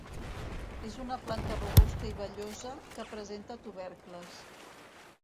És una planta robusta i vellosa que presenta tubercles.